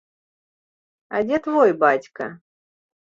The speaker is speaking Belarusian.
А дзе твой бацька?